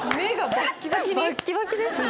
バッキバキですね。